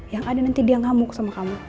yang ada nanti dia ngamuk sama kamu